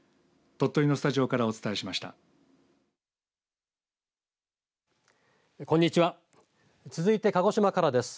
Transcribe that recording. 鳥取のスタジオからお伝えしました。